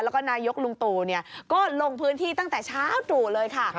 แล้วก็นายกลุงตู่ก็ลงพื้นที่ตั้งแต่เช้าตรู่เลยค่ะ